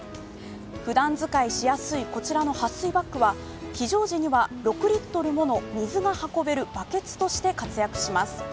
ふだん使いしやすいこちらのはっ水バッグは非常時には６リットルもの水が運べるバケツとして活躍します。